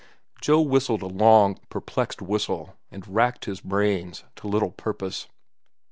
Joe whistled a long, perplexed whistle, and racked his brains to little purpose.